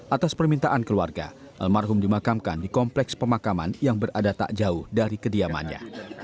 atas permintaan keluarga almarhum dimakamkan di kompleks pemakaman yang berada tak jauh dari kediamannya